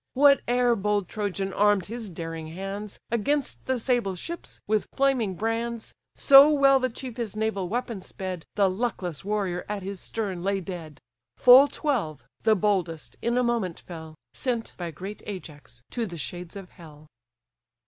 Whate'er bold Trojan arm'd his daring hands, Against the sable ships, with flaming brands, So well the chief his naval weapon sped, The luckless warrior at his stern lay dead: Full twelve, the boldest, in a moment fell, Sent by great Ajax to the shades of hell.